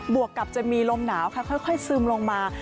วกกับจะมีลมหนาวค่ะค่อยซึมลงมา